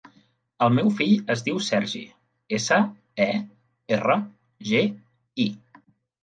El meu fill es diu Sergi: essa, e, erra, ge, i.